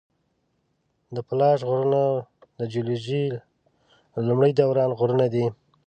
د اپلاش غرونه د جیولوجي د لومړي دوران غرونه دي.